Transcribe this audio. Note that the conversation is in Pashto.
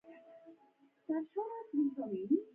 چې ټوله ورځ به ستا په سترګو کې وه